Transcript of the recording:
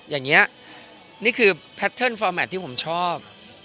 อย่างนี้นี่คือแพทเทิร์นฟอร์แมทที่ผมชอบ